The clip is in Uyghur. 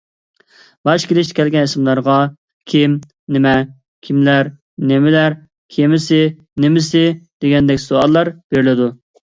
باش كېلىشتە كەلگەن ئىسىملارغا «كىم، نېمە، كىملەر، نېمىلەر، كېمىسى، نېمىسى» دېگەندەك سوئاللار بېرىلىدۇ.